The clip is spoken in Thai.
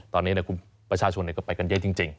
ตอนนี้ประชาชนก็ไปกันเยอะจริง